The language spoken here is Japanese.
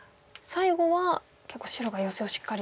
最後は結構白がヨセをしっかりと。